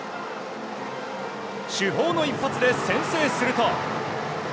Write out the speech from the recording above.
主砲の一発で先制すると。